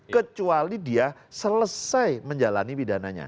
kecuali dia selesai menjalani pidananya